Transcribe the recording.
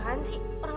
nanti gue balik